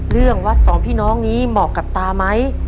เรื่องวัดสองพี่น้องนี้เหมาะกับตาไหม